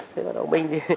thế mà đồng minh thì